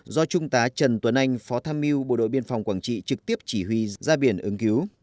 do trung tá trần tuấn anh phó tham mưu bộ đội biên phòng quảng trị trực tiếp chỉ huy ra biển ứng cứu